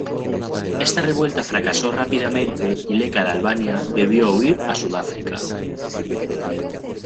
Esta revuelta fracasó rápidamente y Leka de Albania debió huir a Sudáfrica.